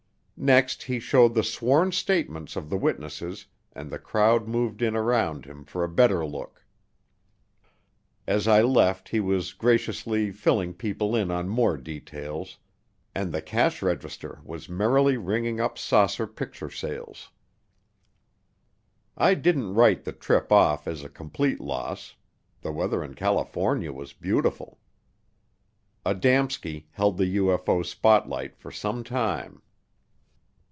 Next he showed the sworn statements of the witnesses and the crowd moved in around him for a better look. As I left he was graciously filling people in on more details and the cash register was merrily ringing up saucer picture sales. I didn't write the trip off as a complete loss, the weather in California was beautiful. Adamski held the UFO spotlight for some time.